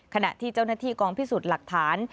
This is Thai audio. ขณะที่เจ้าหน้าที่กองพิสูจน์หลักฐาน